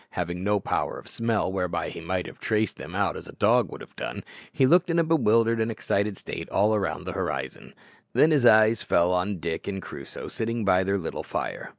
Having no power of smell, whereby he might have traced them out as the dog would have done, he looked in a bewildered and excited state all round the horizon. Then his eye fell on Dick and Crusoe sitting by their little fire.